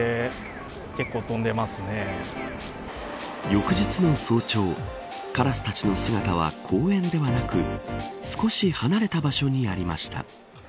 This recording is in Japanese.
翌日の早朝カラスたちの姿は公園ではなく少し離れた場所にありました。